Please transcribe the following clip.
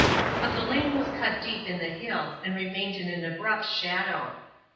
But the lane was cut deep in the hill and remained in an abrupt shadow.